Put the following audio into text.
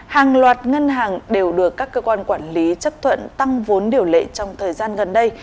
hàng loạt ngân hàng đều được các cơ quan quản lý chấp thuận tăng vốn điều lệ trong thời gian gần đây